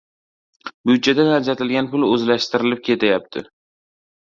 Budjetdan ajratilgan pul o‘zlashtirilib ketyapti